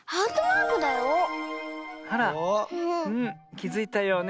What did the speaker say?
きづいたようね。